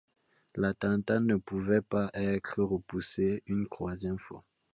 L’attentat ne pouvait pas être repoussé une troisième fois.